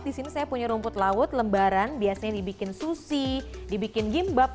di sini saya punya rumput laut lembaran biasanya dibikin sushi dibikin gimbab